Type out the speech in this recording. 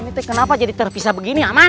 ini teh kenapa jadi terpisah begini aman